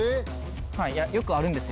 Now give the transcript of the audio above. よくあるんですよ